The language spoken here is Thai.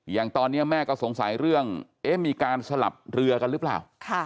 อย่างตอนนี้แม่ก็สงสัยเรื่องเอ๊ะมีการสลับเรือกันหรือเปล่า